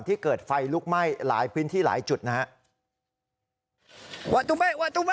ที่เกิดไฟลุกไหม้หลายพื้นที่หลายจุดนะครับ